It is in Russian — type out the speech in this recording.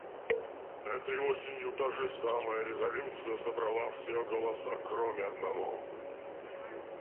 Этой осенью та же самая резолюция собрала все голоса, кроме одного.